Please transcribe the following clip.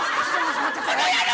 この野郎！